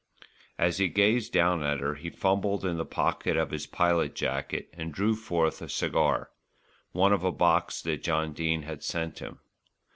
As he gazed down at her, he fumbled in the pocket of his pilot jacket and drew forth a cigar, one of a box that John Dene had sent him.